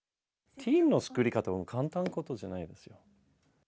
チームの作り方は簡単なことじゃないですよ。